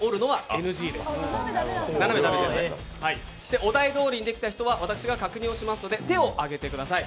お題どおりにできた方は私が確認しますので手を上げてください。